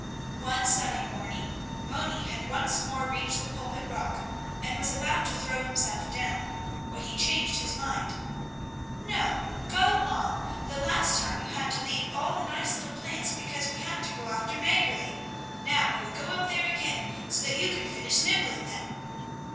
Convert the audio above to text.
One sunny morning Moni had once more reached the Pulpit rock, and was about to throw himself down, when he changed his mind. "No, go on! The last time you had to leave all the nice little plants because we had to go after Mäggerli; now we will go up there again, so that you can finish nibbling them!"